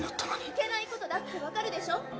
いけない事だってわかるでしょ？